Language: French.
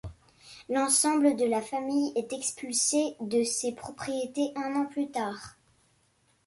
L'ensemble de la famille est expulsée de ses propriétés un an plus tard.